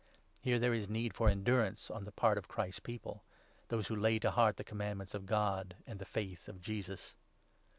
(Here there is need for endurance on 12 the part of Christ's People — those who lay to heart the com mands of God and the Faith of Jesus.)